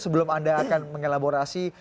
sebelum anda akan mengelaborasi